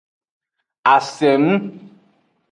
Asengu.